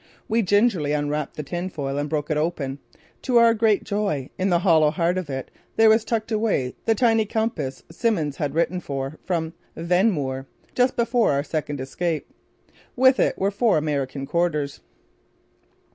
We gingerly unwrapped the tin foil and broke it open. To our great joy, in the hollow heart of it there was tucked away the tiny compass Simmons had written for from Vehnmoor just before our second escape. With it were four American quarters.